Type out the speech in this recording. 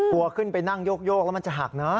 ขึ้นไปนั่งโยกแล้วมันจะหักนะ